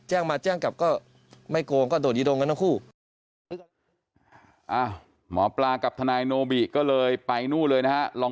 แจ้งมาแจ้งกลับก็ไม่โกง